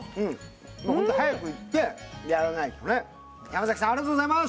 もうホント早く行ってやらないとね山さんありがとうございます